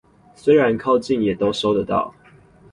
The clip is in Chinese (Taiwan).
雖然靠近也都收得到